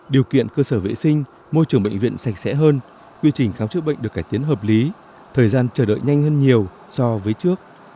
điều kiện cơ sở vệ sinh môi trường bệnh viện sạch sẽ hơn quy trình khám chữa bệnh được cải tiến hợp lý thời gian chờ đợi nhanh hơn nhiều so với trước